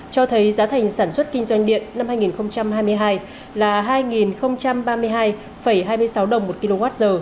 cho thấy giá thành sản xuất kinh doanh điện năm hai nghìn hai mươi hai là hai ba mươi hai hai mươi sáu đồng một kwh